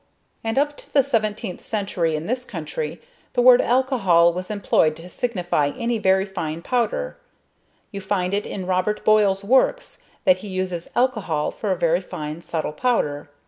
And up to the 17th century in this country the word alcohol was employed to signify any very fine powder; you find it in Robert Boyle's works that he uses "alcohol" for a very fine subtle powder.